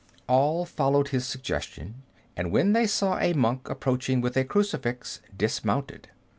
All followed his suggestion, and when they saw a monk approaching with a crucifix, dismounted.